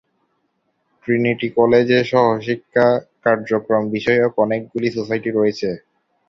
Trinity কলেজে সহশিক্ষা কার্যক্রম বিষয়ক অনেকগুলি সোসাইটি রয়েছে।